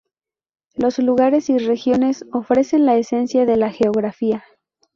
Los lugares y regiones ofrecen la esencia de la geografía.